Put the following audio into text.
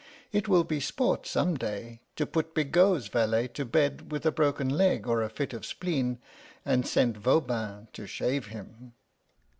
It will be sport, some day, to put Bigot's valet to bed with a broken leg or a fit of spleen, and send Voban to shave him."